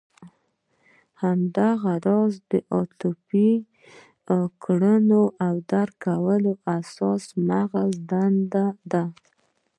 همدغه راز عاطفي کړنو او درک کولو احساس د مغز دندې دي.